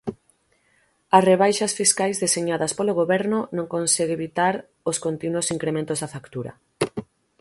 As rebaixa fiscais deseñadas polo Goberno non consegue evitar os continuos incrementos da factura.